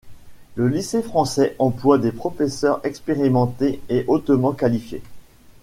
Le lycée français emploie des professeurs expérimentés et hautement qualifiés.